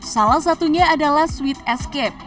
salah satunya adalah sweet escape